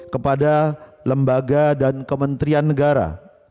kepada lembaga dan kementerian negara